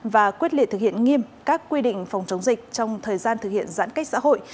và quyết liệt thực hiện nghiêm các quy định phòng chống dịch trong thời gian thực hiện giãn cách xã hội